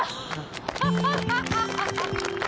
ハハハハ！